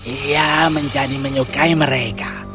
ia menjadi menyukai mereka